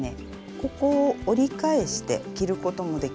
ここを折り返して着ることもできるんです。